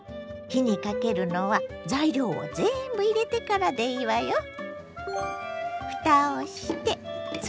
火にかけるのは材料を全部入れてからでいいわよ。